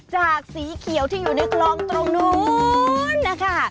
สีเขียวที่อยู่ในคลองตรงนู้นนะคะ